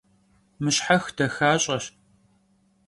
Mışhex daxaş'eş.